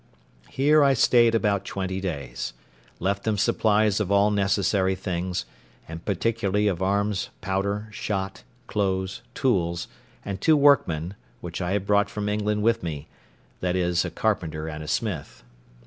Here I stayed about twenty days, left them supplies of all necessary things, and particularly of arms, powder, shot, clothes, tools, and two workmen, which I had brought from England with me, viz. a carpenter and a smith.